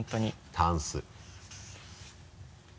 「タンス」